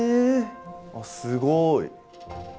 あっすごい。